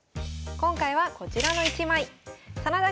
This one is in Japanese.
今回はこちらの１枚。